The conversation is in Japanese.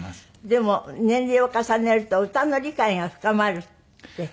でも年齢を重ねると歌の理解が深まるって。